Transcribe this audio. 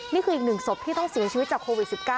นี่คืออีก๑ศพที่ต้องเสียชีวิตจากโควิด๑๙